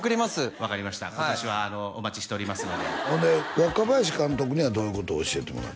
分かりました今年はお待ちしておりますのでほんで若林監督にはどういうことを教えてもらった？